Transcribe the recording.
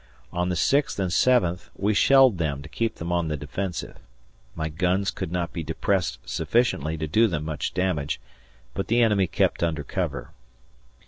On the sixth and seventh we shelled them to keep them on the defensive. My guns could not be depressed sufficiently to do them much damage, but the enemy kept under cover.